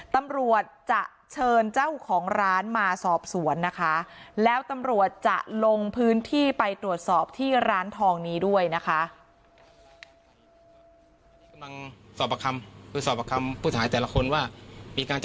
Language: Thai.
ตำรวจจะเชิญเจ้าของร้านมาสอบสวนนะคะแล้วตำรวจจะลงพื้นที่ไปตรวจสอบที่ร้านทองนี้ด้วยนะคะ